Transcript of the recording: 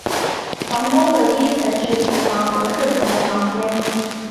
皇宫的第一层是厨房和侍从的房间。